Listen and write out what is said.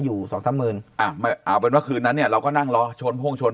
อยู่๒๓หมื่นเอาเป็นว่าคืนนั้นเนี่ยเราก็นั่งรอโชนโห้งโชน